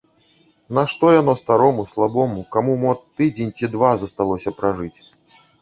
Нашто яны старому, слабому, каму мо тыдзень ці два засталося пражыць?